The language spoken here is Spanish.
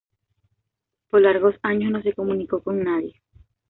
Por largos años no se comunicó con nadie.